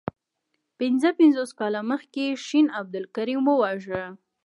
پنځه پنځوس کاله مخکي شین عبدالکریم وواژه.